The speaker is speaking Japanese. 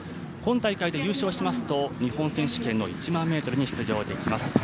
今大会で優勝しますと日本選手権の１００００ｍに出場できます。